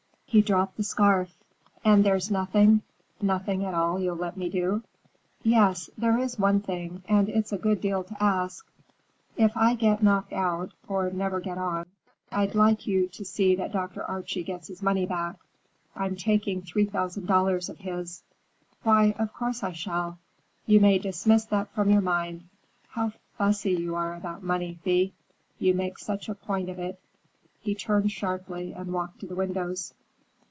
He dropped the scarf. "And there's nothing—nothing at all you'll let me do?" "Yes, there is one thing, and it's a good deal to ask. If I get knocked out, or never get on, I'd like you to see that Dr. Archie gets his money back. I'm taking three thousand dollars of his." "Why, of course I shall. You may dismiss that from your mind. How fussy you are about money, Thea. You make such a point of it." He turned sharply and walked to the windows.